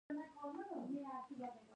د بامیان د یکاولنګ د اوسپنې کانونه ډیر دي.